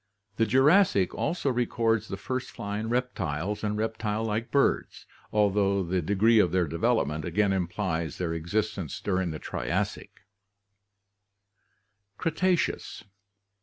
The Jurassic also records the first flying reptiles and reptile like birds, although the degree of their development again implies their existence during the Trias. Cretaceous.